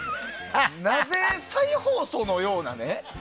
なぜ、再放送のようなね。